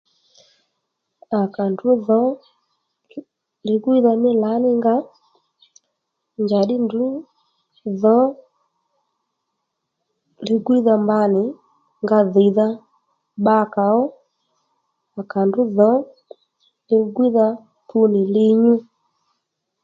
À Kà ndrǔ dhǒ ligwídha mí lǎní nga njàddí ndrǔ dhǒ ligwídha mba nì nga dhìydha bbakà ó à kà ndrǔ dhǒ ligwídha pu nì li nyú